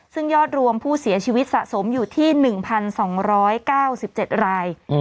ซึ่งยอดรวมผู้เสียชีวิตสะสมอยู่ที่๑๒๙๗ราย